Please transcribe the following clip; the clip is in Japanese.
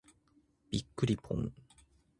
びっくりぽん。